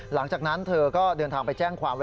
หลังจากนั้นเธอก็เดินทางไปแจ้งความ